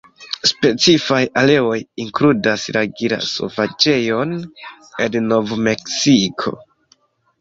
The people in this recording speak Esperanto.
Specifaj areoj inkludas la Gila-Sovaĝejon en Nov-Meksiko.